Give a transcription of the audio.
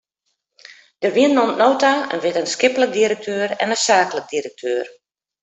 Der wienen oant no ta in wittenskiplik direkteur en in saaklik direkteur.